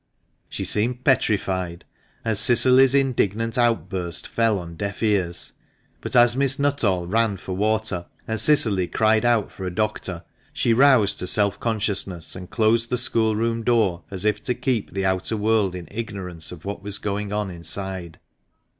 She seemed petrified, and Cicily's indignant outburst fell on deaf ears ; but as Miss Nuttall ran for water, and Cicily cried out for a doctor, she roused to self consciousness, and closed the school room door as if to keep the outer world in ignorance of what was going on inside.